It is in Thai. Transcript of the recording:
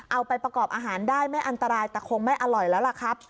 เอาไปประกอบอาหารได้ไม่อันตรายแต่คงไม่อร่อยแล้วล่ะครับ